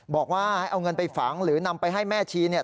บอกว่าให้เอาเงินไปฝังหรือนำไปให้แม่ชีเนี่ย